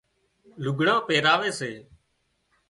لگھڙان پيراوي سي